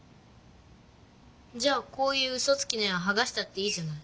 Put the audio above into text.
じゃあこういううそつきの絵ははがしたっていいじゃない。